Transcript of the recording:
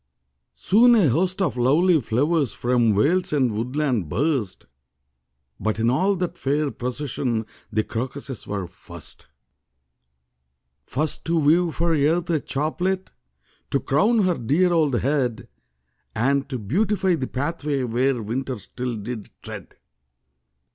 Soon a host of lovely flowers From vales and woodland burst; But in all that fair procession The crocuses were first. First to weave for Earth a chaplet To crown her dear old head; And to beautify the pathway Where winter still did tread.